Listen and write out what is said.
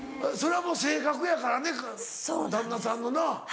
それはもう性格やからね旦那さんのな。